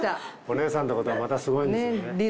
お姉さんってことはまたすごいんですよね。